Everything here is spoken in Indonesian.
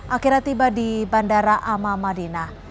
akhirnya tiba di bandara ama madinah